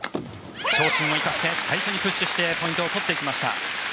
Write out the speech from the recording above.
長身を生かして最初にプッシュしてポイントを取ってきました。